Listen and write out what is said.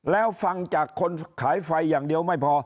แล้วฟังจากคนขายไฟอย่างเดียวไม่พอ